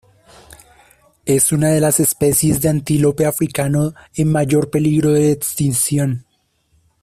Es una de las especies de antílope africano en mayor peligro de extinción.